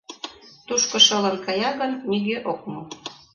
— Тушко шылын кая гын, нигӧ ок му.